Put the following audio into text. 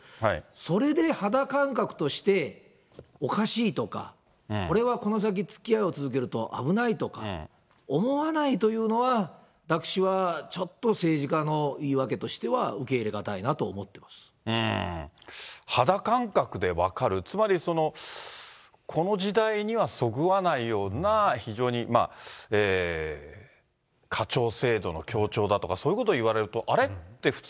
それで肌感覚として、おかしいとか、これはこの先、つきあいを続けると危ないとか思わないというのは、私はちょっと、政治家の言い訳としては受け入れがたいなと肌感覚で分かる、つまりその、この時代にはそぐわないような、非常に家長制度の強調だとか、そういうことを言われると、あれ？